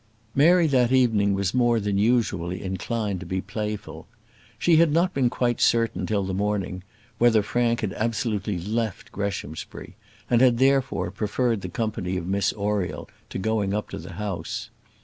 Mary that evening was more than usually inclined to be playful. She had not been quite certain till the morning, whether Frank had absolutely left Greshamsbury, and had, therefore, preferred the company of Miss Oriel to going up to the house.